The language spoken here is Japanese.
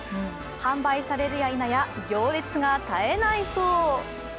販売されるやいなや行列が絶えないそう。